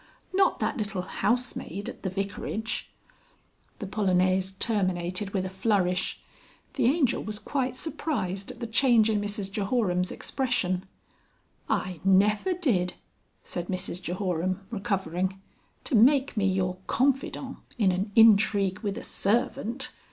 Not that little housemaid at the Vicarage ?..." The Polonaise terminated with a flourish. The Angel was quite surprised at the change in Mrs Jehoram's expression. "I never did!" said Mrs Jehoram recovering. "To make me your confidant in an intrigue with a servant.